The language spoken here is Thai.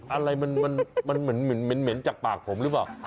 อะไรมันเหม็นจากปากผมหรือเปล่า